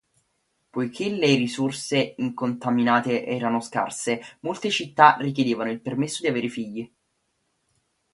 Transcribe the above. Poiché le risorse incontaminate erano scarse, molte città richiedevano il permesso di avere figli.